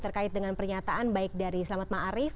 terkait dengan pernyataan baik dari selamat ma'arif